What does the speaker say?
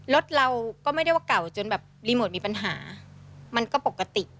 รถเราก็ไม่ได้ว่าเก่าจนแบบรีโมทมีปัญหามันก็ปกติ